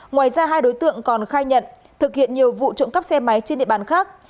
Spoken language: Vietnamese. ngoài ra hai đối tượng còn khai nhận thực hiện nhiều vụ trộm cắp xe máy trên địa bàn khác